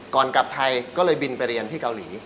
กลับไทยก็เลยบินไปเรียนที่เกาหลี